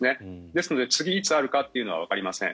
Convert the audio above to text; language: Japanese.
ですので、次いつあるのかというのはわかりません。